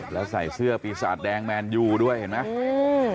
แล้วใส่เสื้อปีศาจแดงแมนยูด้วยเห็นไหม